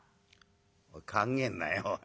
「考えんなよおい。